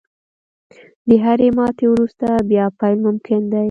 • د هرې ماتې وروسته، بیا پیل ممکن دی.